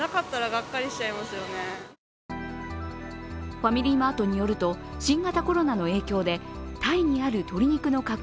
ファミリーマートによると、新型コロナの影響でタイにある鶏肉の加工